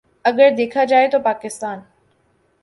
اگر دیکھا جائے تو پاکستان